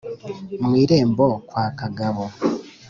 Mu irembo kwa Kagabo